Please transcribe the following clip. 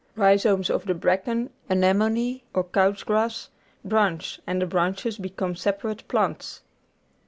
Rhizomes of the bracken, anemone, or couch grass, branch, and the branches become separate plants.